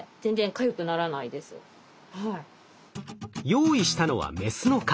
用意したのはメスの蚊。